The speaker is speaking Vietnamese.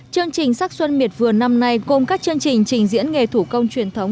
chương trình sắc xuân miệt vườn năm nay gồm các chương trình trình diễn nghề thủ công truyền thống